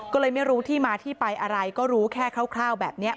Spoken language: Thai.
ก็เลยไม่รู้ที่มาที่ไปอะไรก็รู้แค่คร่าวแบบนี้